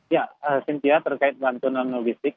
ya sintia terkait bantuan logistik